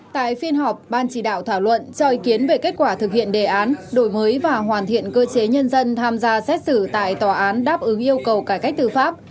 tại phiên họp ban chỉ đạo thảo luận cho ý kiến về kết quả thực hiện đề án đổi mới và hoàn thiện cơ chế nhân dân tham gia xét xử tại tòa án đáp ứng yêu cầu cải cách tư pháp